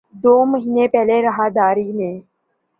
دو مہینے پہلے راہداری میں